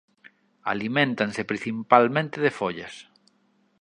Aliméntanse principalmente de follas.